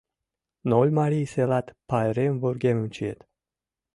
Нольмарий селат пайрем вургемым чиет.